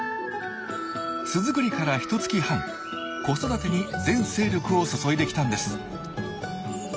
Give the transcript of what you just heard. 巣作りからひとつき半子育てに全精力を注いできたんです。